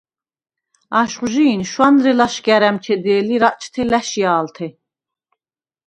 აშხვჟი̄ნ შვანე ლაშგა̈რ ა̈მჩედე̄ლი რაჭთე ლა̈შია̄ლთე.